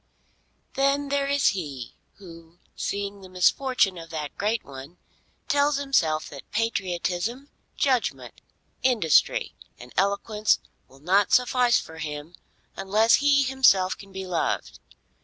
Then there is he who seeing the misfortune of that great one, tells himself that patriotism, judgment, industry, and eloquence will not suffice for him unless he himself can be loved.